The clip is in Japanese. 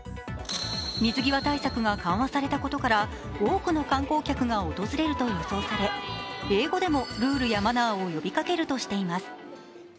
水際対策が緩和されたことから多くの観光客が訪れると予想され英語でもルールやマナーを呼びかけるとしています。